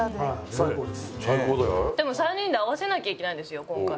でも３人で合わせなきゃいけないんですよ今回。